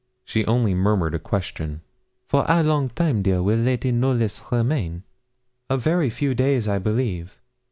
She only murmured a question. 'For 'ow long time, dear, will Lady Knollys remain?' 'A very few days, I believe.'